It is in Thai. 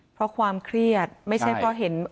เพราะความเครียดไม่ใช่เพราะเห็น